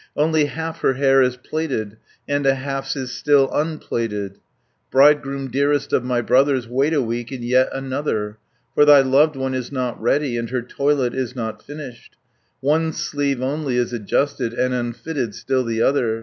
Only half her hair is plaited, And a half is still unplaited. "Bridegroom, dearest of my brothers, Wait a week, and yet another, For thy loved one is not ready, And her toilet is not finished; 30 One sleeve only is adjusted, And unfitted still the other.